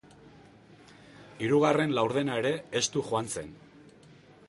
Hirugarren laurdena ere estu joan zen.